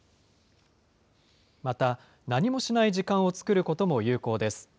また、何もしない時間を作ることも有効です。